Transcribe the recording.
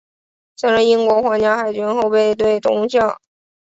曾任英国皇家海军后备队中校。